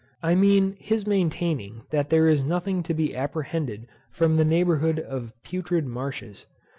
I mean his maintaining, that there is nothing to be apprehended from the neighbourhood of putrid marshes.